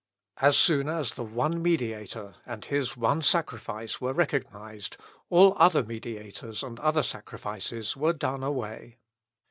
As soon as the one Mediator and his one sacrifice were recognised, all other mediators and other sacrifices were done away.